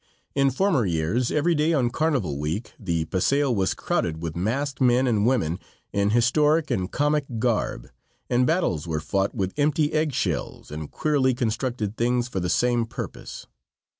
In former years every day on carnival week the paseo was crowded with masked men and women in historic and comic garb, and battles were fought with empty egg shells and queerly constructed things for the same purpose.